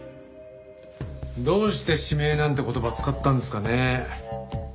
どうして「指名」なんて言葉使ったんですかね？